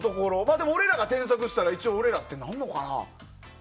でも、俺らが添削したら一応、俺らってなるのかな。